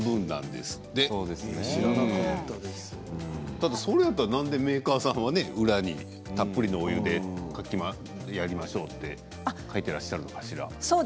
でもそれやったらなんでメーカーさんはたっぷりのお湯でやりましょうって書いていらっしゃるのかしら。